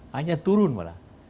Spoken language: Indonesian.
hanya turun malah